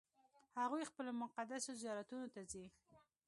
هغوی خپلو مقدسو زیارتونو ته ځي.